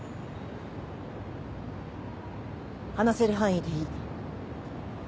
話せる範囲でいい。